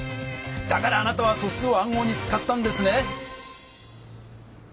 だからあなたは素数を暗号に使ったんですね！